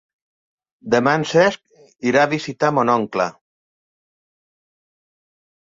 Demà en Cesc irà a visitar mon oncle.